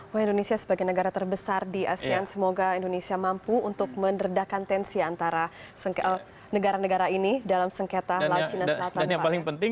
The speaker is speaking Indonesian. dan indonesia sebagai negara terbesar di asean semoga indonesia mampu untuk menerdahkan tensi antara negara negara ini dalam sengketa laut china selatan